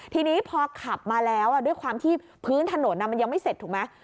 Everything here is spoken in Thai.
ทีนี้พอขับมาแล้วด้วยความที่พื้นถนนมันยังไม่เสร็จถูกไหม